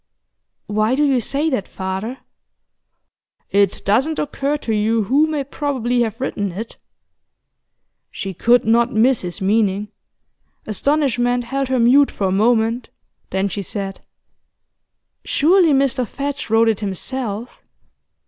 'Why do you say that, father?' 'It doesn't occur to you who may probably have written it?' She could not miss his meaning; astonishment held her mute for a moment, then she said: 'Surely Mr Fadge wrote it himself?